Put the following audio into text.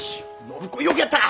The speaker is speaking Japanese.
暢子よくやった！